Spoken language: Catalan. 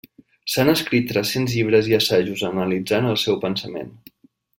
S'han escrit tres-cents llibres i assajos analitzant el seu pensament.